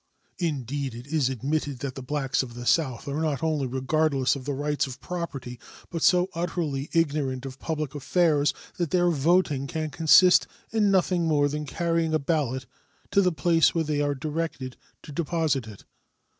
Indeed, it is admitted that the blacks of the South are not only regardless of the rights of property, but so utterly ignorant of public affairs that their voting can consist in nothing more than carrying a ballot to the place where they are directed to deposit it.